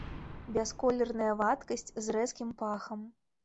Бясколерная вадкасць з рэзкім пахам.